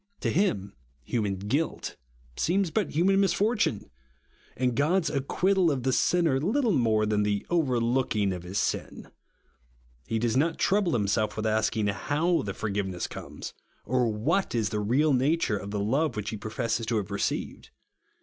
To him human guilt seems but human misfortune, and God's ac quittal of the sinner liltle more than the overlookino^ of his sin. He does not trouble himself with asking how the for giveness comes, or tuhat is the real nature of the love which he professes to have received.